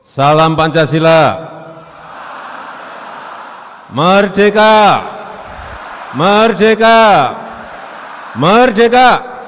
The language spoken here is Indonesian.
salam pancasila merdeka